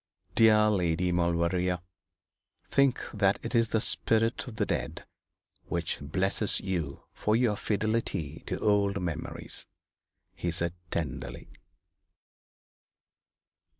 'Dear Lady Maulevrier, think that it is the spirit of the dead which blesses you for your fidelity to old memories,' he said, tenderly.